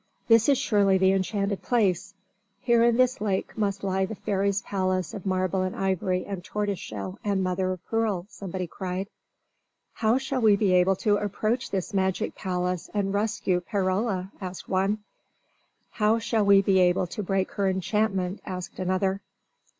"This is surely the enchanted place. Here in this lake must lie the fairies' palace of marble and ivory and tortoise shell and mother of pearl!" somebody cried. "How shall we be able to approach this magic palace and rescue Perola?" asked one. "How shall we be able to break her enchantment?" asked another.